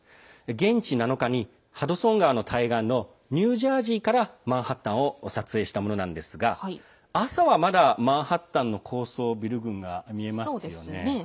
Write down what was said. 現地７日にハドソン川の対岸のニュージャージーからマンハッタンを撮影したものなんですが朝はまだ、マンハッタンの高層ビル群が見えますよね。